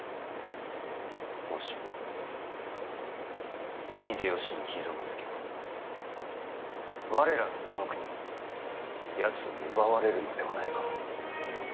もし秀吉にひざまずけば我らのこの国もやつに奪われるのではないか？